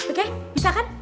oke bisa kan